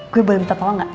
gue boleh minta tolong gak